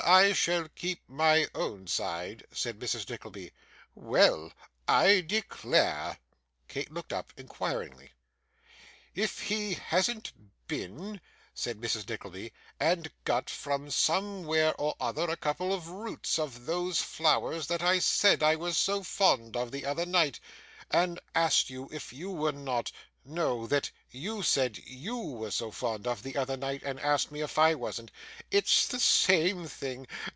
I shall keep my own side,' said Mrs. Nickleby. 'Well! I declare!' Kate looked up inquiringly. 'If he hasn't been,' said Mrs. Nickleby, 'and got, from somewhere or other, a couple of roots of those flowers that I said I was so fond of, the other night, and asked you if you were not no, that YOU said YOU were so fond of, the other night, and asked me if I wasn't it's the same thing.